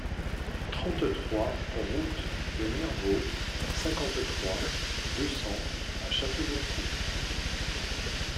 trente-trois route de Mirwault, cinquante-trois, deux cents à Château-Gontier